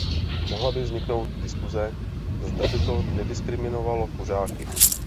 Mohla by vzniknout diskuse, zda by to nediskriminovalo kuřáky.